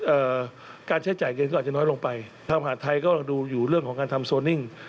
เอ่อการใช้จ่ายเงินก็อาจจะน้อยลงไปทางมหาดไทยก็ดูอยู่เรื่องของการทำโซนิ่ง